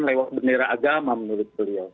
lewat bendera agama menurut beliau